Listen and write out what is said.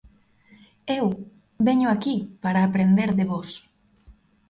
Eu veño aquí para aprender de vós.